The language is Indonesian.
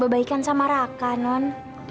kebaikan sama raka non